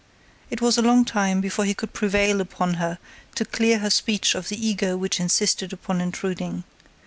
It was a long time before he could prevail upon her to clear her speech of the ego which insisted upon intruding.